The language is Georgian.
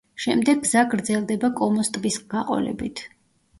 შემდეგ გზა გრძელდება კომოს ტბის გაყოლებით.